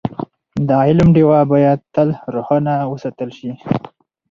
د علم ډېوه باید تل روښانه وساتل شي.